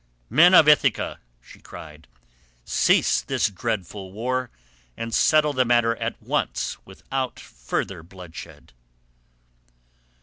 "Men of Ithaca," she cried, "cease this dreadful war, and settle the matter at once without further bloodshed."